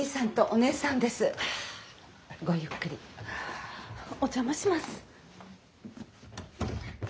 お邪魔します。